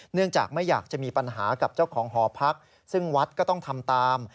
เนื่องจากไม่อยากจะมีปัญหากับเจ้าของหอพักซึ่งวัดก็ต้องทำตาม